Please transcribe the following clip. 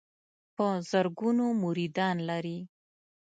په زرګونو مریدان لري.